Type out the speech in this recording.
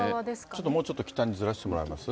ちょっともうちょっと北側にずらしてもらえます？